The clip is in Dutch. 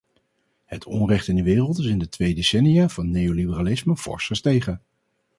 Het onrecht in de wereld is in de twee decennia van neoliberalisme fors gestegen.